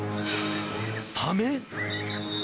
サメ？